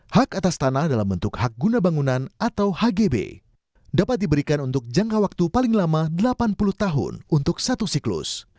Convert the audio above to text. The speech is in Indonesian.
hak atas tanah dalam bentuk hak guna bangunan atau hgb dapat diberikan untuk jangka waktu paling lama delapan puluh tahun untuk satu siklus